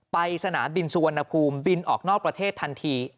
สนามบินสุวรรณภูมิบินออกนอกประเทศทันที